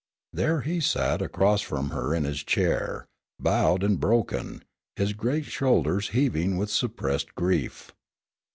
There he sat across from her in his chair, bowed and broken, his great shoulders heaving with suppressed grief.